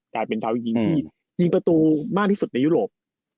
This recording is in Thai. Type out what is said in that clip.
กลายเป็นรองเท้ายิงประตูมากที่สุดในยุโรป